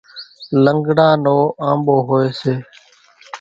لنڳڙا نو آنٻو هوئيَ سي۔